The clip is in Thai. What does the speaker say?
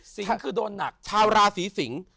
สิงค์คือโดนหนักชาวลาสีสิงค์